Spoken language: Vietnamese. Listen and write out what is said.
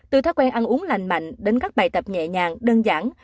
từ thói quen ăn uống lành mạnh đến các bài tập nhẹ nhàng đơn giản